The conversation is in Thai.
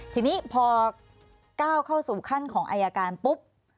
ทีนี้พอก้าวเข้าสู่ขั้นของอายการปุ๊บ